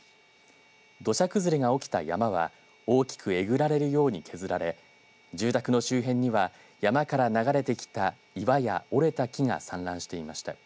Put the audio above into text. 土砂崩れが起きた山は大きくえぐられるように削られ住宅の周辺には山から流れてきた岩や折れた木が散乱していました。